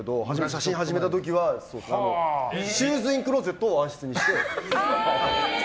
写真始めた時はシューズインクローゼットを暗室にして。